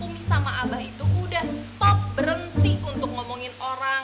umi sama abah itu udah stop berhenti untuk ngomongin orang